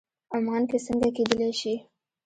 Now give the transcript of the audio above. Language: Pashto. عمان کې څنګه کېدلی شي.